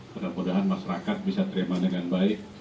mudah mudahan masyarakat bisa terima dengan baik